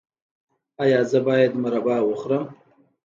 ایا زه باید مربا وخورم؟